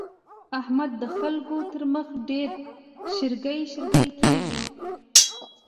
احمد د خلګو تر مخ ډېر شېرکی شېرکی کېږي.